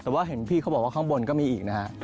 แต่ว่าเห็นพี่เขาบอกว่าข้างบนก็มีอีกนะฮะ